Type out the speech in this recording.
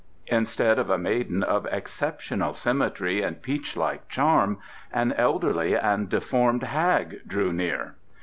Instead of a maiden of exceptional symmetry and peach like charm an elderly and deformed hag drew near.